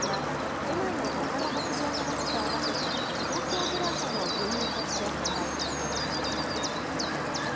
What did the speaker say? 磯沼さんの牧場の生乳は都内のほかの牧場のものと合わせて東京ブランドの牛乳として販売されています。